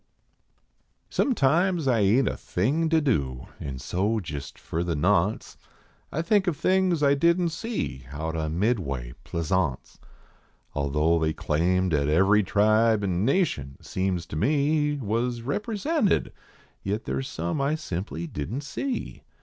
Sometimes I ain t a thing to do an so, jist for the nonce, I think of things I didn t see out on Midway Plaisance. Although they claimed at every tribe an nation, seems to me, Was represented, yit there s some I simply didn t see.